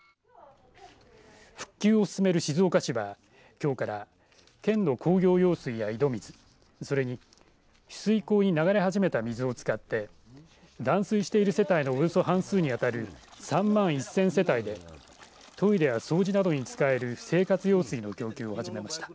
復旧を進める静岡市はきょうから県の工業用水や井戸水それに取水口に流れ始めた水を使って断水している世帯のおよそ半数に当たる３万１０００世帯でトイレや掃除などに使える生活用水の供給を始めました。